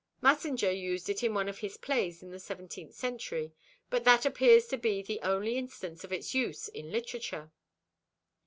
Massinger used it in one of his plays in the seventeenth century, but that appears to be the only instance of its use in literature.